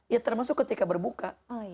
ya termasuk ketika berbuka